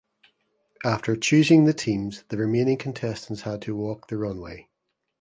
After choosing the teams the remaining contestants had to walk the runway.